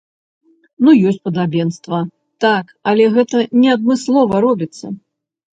Ну ёсць падабенства, так, але гэта не адмыслова робіцца.